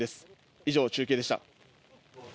以上、中継でした。